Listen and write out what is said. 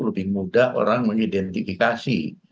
lebih mudah orang mengidentifikasi